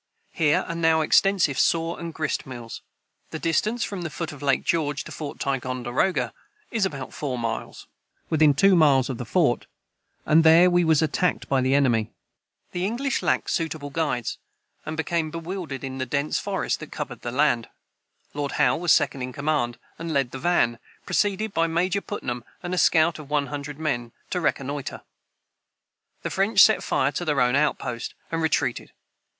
Here are now extensive saw and grist mills. The distance from the foot of Lake George to Fort Ticonderoga is about four miles.] [Footnote 39: The English lacked suitable guides, and became bewildered in the dense forest that covered the land. Lord Howe was second in command, and led the van, preceded by Major Putnam and a scout of one hundred men, to reconnoitre. The French set fire to their own outpost, and retreated.